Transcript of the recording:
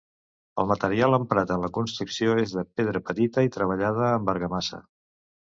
El material emprat en la construcció és de pedra petita i treballada amb argamassa.